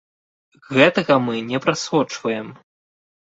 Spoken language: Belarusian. Гэтага мы не прасочваем.